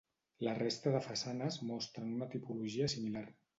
La resta de façanes mostren una tipologia similar.